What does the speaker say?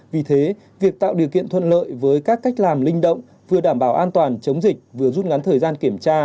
vì thế việc tạo điều kiện thuận lợi với các cách làm linh động vừa đảm bảo an toàn chống dịch vừa rút ngắn thời gian kiểm tra